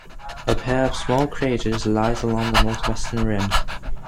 A pair of small craters lies along the northwestern rim.